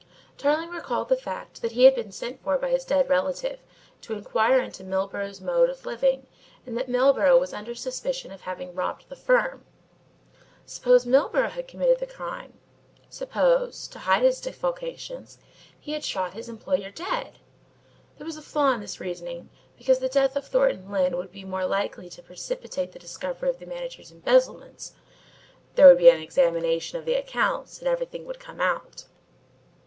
Tarling recalled the fact that he had been sent for by his dead relative to inquire into Milburgh's mode of living and that Milburgh was under suspicion of having robbed the firm. Suppose Milburgh had committed the crime? Suppose, to hide his defalcations, he had shot his employer dead? There was a flaw in this reasoning because the death of Thornton Lyne would be more likely to precipitate the discovery of the manager's embezzlements there would be an examination of accounts and everything would come out.